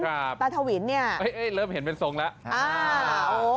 ตาทวินเนี่ยเอ้ยเริ่มเห็นเป็นทรงแล้ว